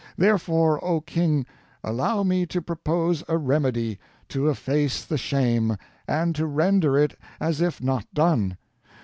Therefore oh King! allow me to propose a remedy, to efface the shame, and to render it as if not done.